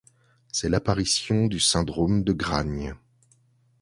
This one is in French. C’est l’apparition du syndrome de Gragne.